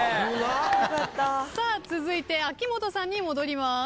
さあ続いて秋元さんに戻ります。